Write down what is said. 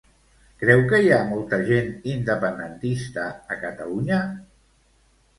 Creu que hi ha molta gent independentista a Catalunya?